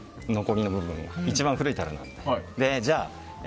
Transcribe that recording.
一番古い樽なので。